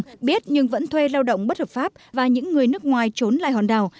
không biết nhưng vẫn thuê lao động bất hợp pháp và những người nước ngoài trốn lại hòn đảo